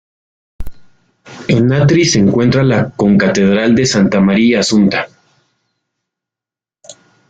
En Atri se encuentra la concatedral de Santa María Asunta.